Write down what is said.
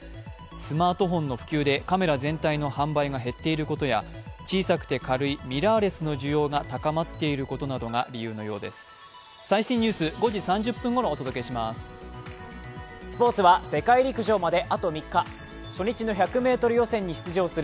スマートフォンの普及でカメラ全体の販売が減っていることや小さくて軽いミラーレスの需要が高まっていることが理由のようです。